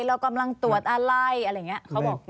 เรากำลังตรวจอะไรอะไรอย่างนี้เขาบอก